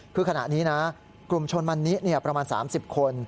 คือขณะนี้นะกลุ่มชนมันนิเนี่ยประมาณสามสิบคน